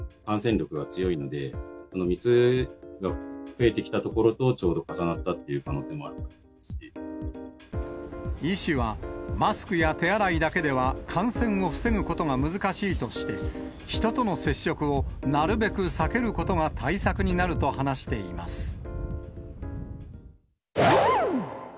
感染力が強いので、密が増えてきたところと、ちょうど重なったと医師は、マスクや手洗いだけでは感染を防ぐことが難しいとして、人との接触をなるべく避けることが対策になると話しています。